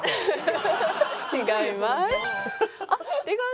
違います。